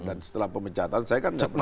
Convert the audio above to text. dan setelah pemecatan saya kan nggak pernah